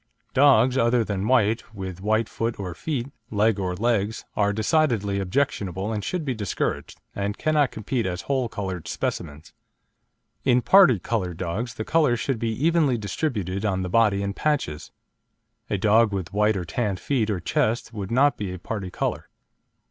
Dogs, other than white, with white foot or feet, leg or legs, are decidedly objectionable and should be discouraged, and cannot compete as whole coloured specimens. In parti coloured dogs the colours should be evenly distributed on the body in patches; a dog with white or tan feet or chest would not be a parti colour.